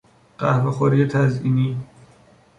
قهوه خوری تزئینی